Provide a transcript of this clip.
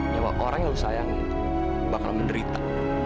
nyawa orang yang lu sayangi bakal menderita